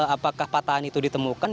apakah patahan itu ditemukan